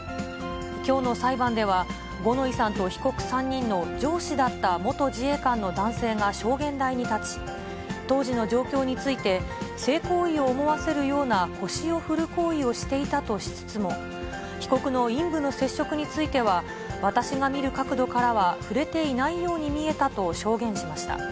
きょうの裁判では、五ノ井さんと被告３人の上司だった元自衛官の男性が証言台に立ち、当時の状況について、性行為を思わせるような腰を振る行為をしていたとしつつも、被告の陰部の接触については、私が見る角度からは触れていないように見えたと証言しました。